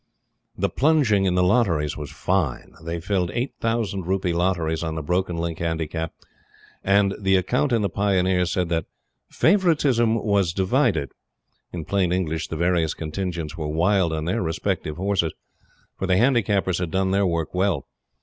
The plunging in the lotteries was fine. They filled eight thousand rupee lotteries on the Broken Link Handicap, and the account in the Pioneer said that "favoritism was divided." In plain English, the various contingents were wild on their respective horses; for the Handicappers had done their work well.